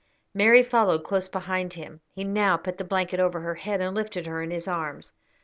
Mary followed close behind him. He now put the blanket over her head and lifted her in his arms.